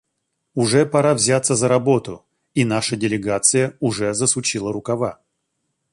Уже пора взяться за работу, и наша делегация уже засучила рукава.